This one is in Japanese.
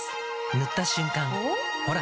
塗った瞬間おっ？